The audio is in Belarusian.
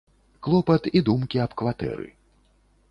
Клопат і думкі аб кватэры.